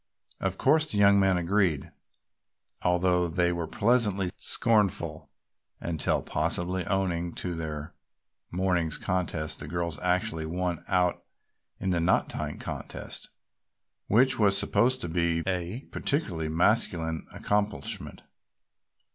Of course the young men agreed, although they were pleasantly scornful, until possibly owing to their morning's contest the girls actually won out in the knot tying contest, which was supposed to be a peculiarly masculine accomplishment.